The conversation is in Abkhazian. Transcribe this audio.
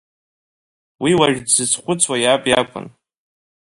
Уи уажә дзызхәыцуаз иаб иакәын.